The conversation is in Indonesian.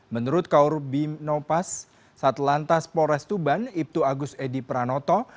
menurut kaur bimnopas satlantas polres tuban ibtu agus edy pranoto